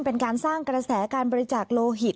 เป็นการสร้างกระแสการบริจาคโลหิต